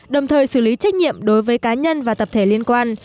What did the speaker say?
đồng thời xử lý trách nhiệm đối với cá nhân và tập thể liên quan